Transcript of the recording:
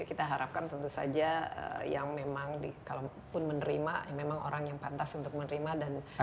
kita harapkan tentu saja yang memang kalaupun menerima memang orang yang pantas untuk menerima dan